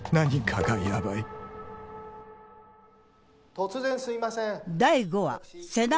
・突然すいません。